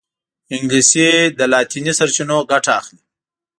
انګلیسي له لاطیني سرچینو ګټه اخلي